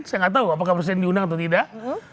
saya nggak tahu apakah presiden diundang atau tidak